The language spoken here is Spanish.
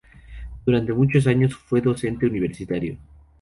Durante muchos años fue docente universitario.